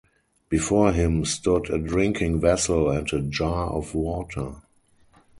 Before him stood a drinking vessel and a jar of water.